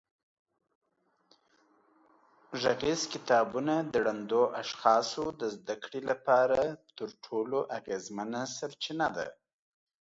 غږیز کتابونه د ړندو اشخاصو د زده کړې لپاره تر ټولو اغېزمنه سرچینه ده.